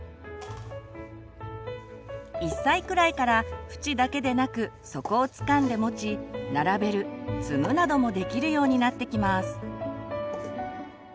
１歳くらいから縁だけでなく底をつかんで持ち並べる積むなどもできるようになってきます。